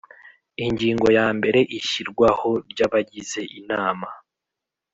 Ingingo ya mbere Ishyirwaho ry abagize Inama